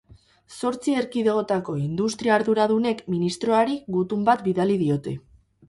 Zortzi erkidegoetako industria arduradunek ministroari gutun bat bidali diote.